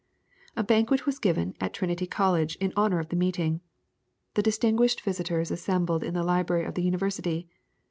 A banquet was given at Trinity College in honour of the meeting. The distinguished visitors assembled in the Library of the University.